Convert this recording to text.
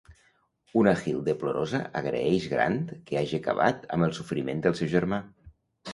Una Hilde plorosa agraeix Grant que hagi acabat amb el sofriment del seu germà.